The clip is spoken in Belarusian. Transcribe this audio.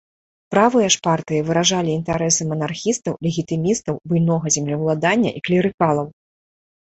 Правыя ж партыі выражалі інтарэсы манархістаў, легітымістаў, буйнога землеўладання і клерыкалаў.